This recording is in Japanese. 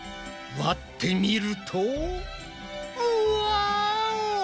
割ってみるとわお！